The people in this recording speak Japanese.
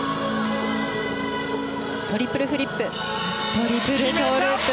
トリプルフリップトリプルトウループ。